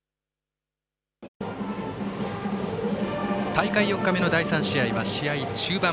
大会４日目の第３試合は試合中盤。